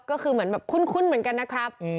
ก็คือเหมือนแบบคุ้นเหมือนกันนะครับ